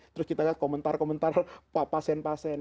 terus kita lihat komentar komentar pasien pasien